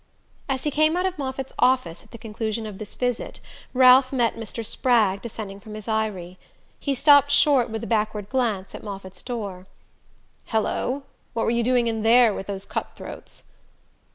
As he came out of Moffatt's office at the conclusion of this visit Ralph met Mr. Spragg descending from his eyrie. He stopped short with a backward glance at Moffatt's door. "Hallo what were you doing in there with those cut throats?"